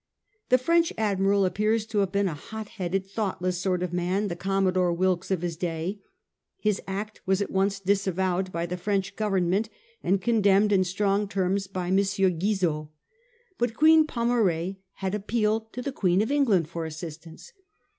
The French admiral appears to have been a hot headed, thoughtless sort of man, the Commodore Wilkes of his day. His act was at once disavowed by the French Government, and condemned in strong terms by M. Guizot. But Queen Pomare had appealed to the Queen of England for assistance.